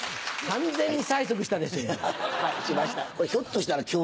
完全に催促したでしょ今。